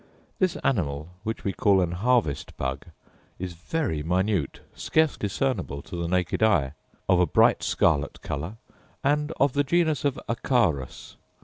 This animal (which we call an harvest bug) is very minute, scarce discernible to the naked eye; of a bright scarlet colour, and of the genus of Acarus.